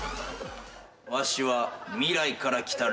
わしは未来から来た老人じゃ。